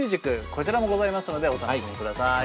こちらもございますのでお楽しみください。